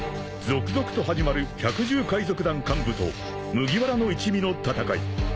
［続々と始まる百獣海賊団幹部と麦わらの一味の戦い］